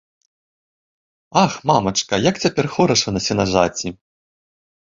Ах, мамачка, як цяпер хораша на сенажаці!